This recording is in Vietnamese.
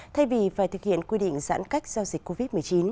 thay vì phải thực hiện quy định giãn cách giao dịch covid một mươi chín